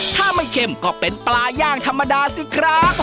ถ้าไม่เค็มก็เป็นปลาย่างธรรมดาสิครับ